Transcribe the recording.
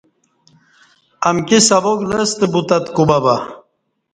امکی سبق لستہ بوتت کو بہ بہ